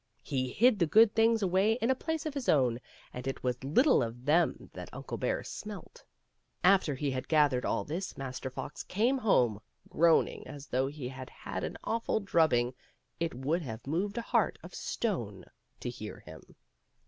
He hid the good things away in a place of his own, and it was little of them that Uncle Bear smelt. After he had gathered all this. Master Fox came home, groaning as though he had had an awful drubbing ; it would have moved a heart of stone to hear him.